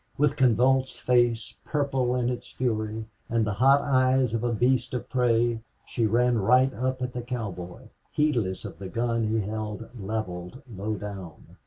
With convulsed face, purple in its fury, and the hot eyes of a beast of prey she ran right up at the cowboy, heedless of the gun he held leveled low down.